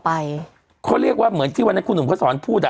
ไปเขาเรียกว่าเหมือนที่วันนั้นคุณหนุ่มเขาสอนพูดอ่ะ